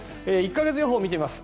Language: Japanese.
１か月予報を見てみます。